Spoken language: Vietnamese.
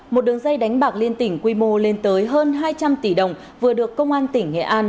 một đường dây đánh bạc liên tỉnh quy mô lên tới hơn hai trăm linh tỷ đồng vừa được công an tỉnh nghệ an